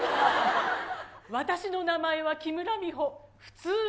私の名前は木村美穂。